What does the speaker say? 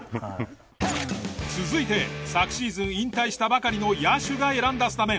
続いて昨シーズン引退したばかりの野手が選んだスタメン。